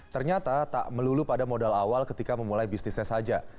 ternyata tak melulu pada modal awal ketika memulai bisnisnya saja